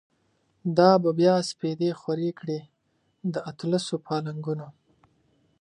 دا به بیا سپیدی خوری کړی، داطلسو پالنګونو